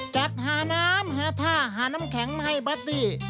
จัดหาน้ำหาท่าหาน้ำแข็งมาให้บัตตี้